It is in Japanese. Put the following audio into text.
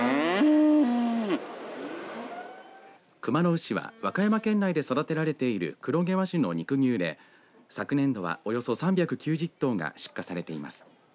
熊野牛は和歌山県内で育てられている黒毛和種の肉牛で昨年度はおよそ３９０頭が出荷されています。